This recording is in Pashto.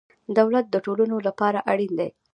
دولت د ټولنو لپاره اړین دی.